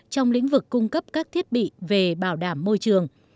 trong lĩnh vực cung cấp các thiết bị về bảo đảm môi trường